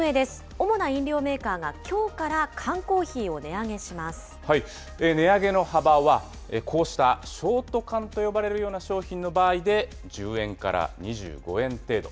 主な飲料メーカーがきょうから缶値上げの幅は、こうしたショート缶と呼ばれる商品の場合で１０円から２５円程度。